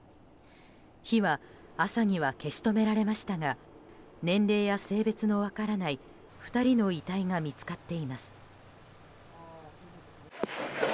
火は朝には消し止められましたが年齢や性別の分からない２人の遺体が見つかっています。